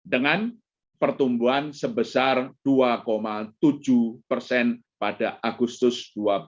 dengan pertumbuhan sebesar dua tujuh persen pada agustus dua ribu dua puluh